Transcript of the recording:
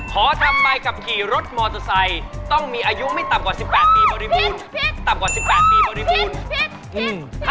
ขอทำใบกับขี่รถมอเตอร์ไซซ์ต้องมีอายุไม่ต่ำกว่า๑๘ปีบริบูรณ์